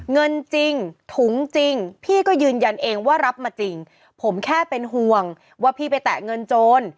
เงินจริงถุงจริงพี่ก็ยืนยันเองว่ารับมาจริงผมแค่เป็นห่วงว่าพี่ไปแตะเงินโจร